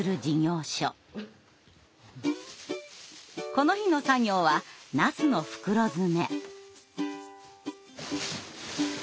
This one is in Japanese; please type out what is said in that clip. この日の作業はなすの袋詰め。